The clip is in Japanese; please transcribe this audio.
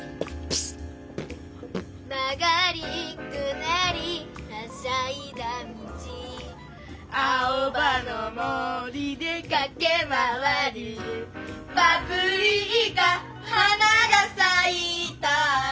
「曲りくねりはしゃいだ道」「青葉の森で駆け回る」「パプリカ花が咲いたら」